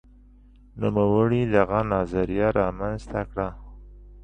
نوموړي دغه نظریه رامنځته کړه.